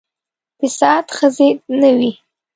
د سعد ښځې نه وې.